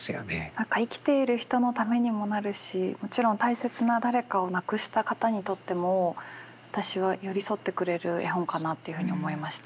何か生きている人のためにもなるしもちろん大切な誰かを亡くした方にとっても私は寄り添ってくれる絵本かなっていうふうに思いました。